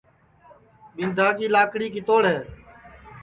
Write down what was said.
ٻِینٚدا کی لاکڑی کِتوڑ ہے